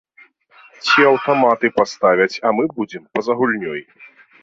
Ці аўтаматы паставяць, а мы будзем па-за гульнёй.